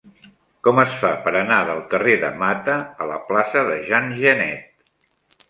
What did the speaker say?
Com es fa per anar del carrer de Mata a la plaça de Jean Genet?